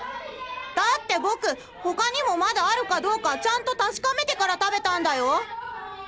だって僕他にもまだあるかどうかちゃんと確かめてから食べたんだよ。